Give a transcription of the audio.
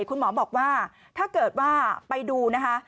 คุณหมอบอกว่าถ้าเกิดว่าไปดูนะคะ